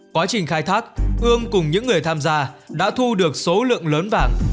quá trình khai thác hương cùng những người tham gia đã thu được số lượng lớn vàng